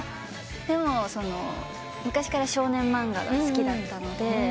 でも昔から少年漫画が好きだったので。